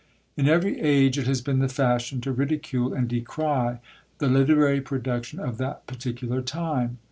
In every age it has been the fashion to ridicule and decry the literary production of that particular time.